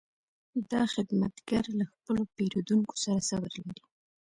دا خدمتګر له خپلو پیرودونکو سره صبر لري.